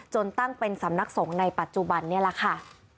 ตั้งเป็นสำนักสงฆ์ในปัจจุบันนี่แหละค่ะ